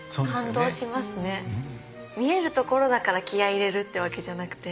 見えるところだから気合い入れるっていうわけじゃなくて。